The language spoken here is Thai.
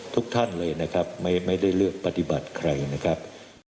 ทุกท่านเลยนะครับไม่ได้เลือกปฏิบัติใครนะครับ